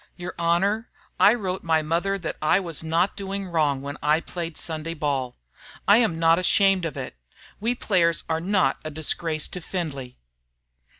Your Honor, I wrote my mother that I was not doing wrong when I played Sunday ball. I am not ashamed of it. We players are not a disgrace to Findlay."